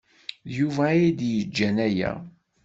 D Yuba ay d-yeǧǧan aya.